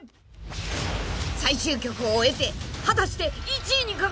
［最終局を終えて果たして１位に輝くのは］